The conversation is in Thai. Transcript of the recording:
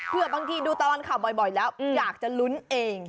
เพื่อบางทีดูตลอดข่าวบ่อยแล้วอยากจะลุ้นเอง